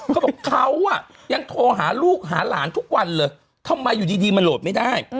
เขาบอกเขาอ่ะยังโทรหาลูกหาหลานทุกวันเลยทำไมอยู่ดีมันโหลดไม่ได้